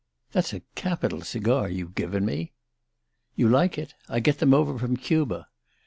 That's a capital cigar you've given me." "You like it? I get them over from Cuba."